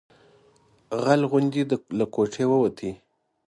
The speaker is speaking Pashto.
غل غوندې له کوټې ووت.